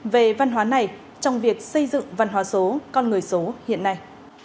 về văn hóa này trong việc xây dựng văn hóa số con người số hiện nay